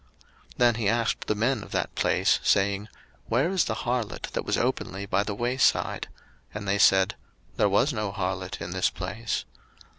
01:038:021 Then he asked the men of that place, saying, Where is the harlot, that was openly by the way side? And they said, There was no harlot in this place.